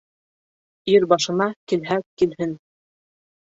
Ир башына килһә килһен.